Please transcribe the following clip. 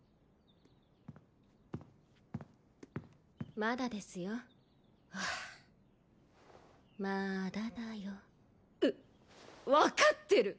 まだですよはあまーだだようっ分かってる！